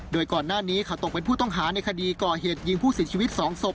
โดยก่อนหน้านี้ค่ะตกเป็นผู้ต้องหาในคดีก่อเหตุยิงผู้เสียชีวิต๒ศพ